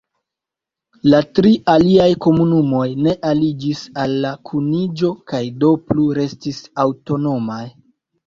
La tri aliaj komunumoj ne aliĝis al la kuniĝo kaj do plu restis aŭtonomaj.